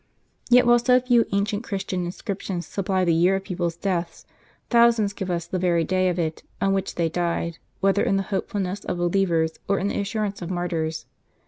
Yet while so few ancient Christian inscriptions supply the year of people's deaths, thousands give us the very day of it, on which they died, whether in the hopefulness of believers, or in the assurance of martyrs.